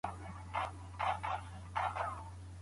که زده کړه میخانیکي سي نو ستړي کوونکي کیږي.